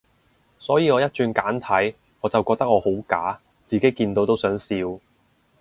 所以我一轉簡體，我就覺得我好假，自己見到都想笑